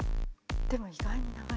でも意外に長い。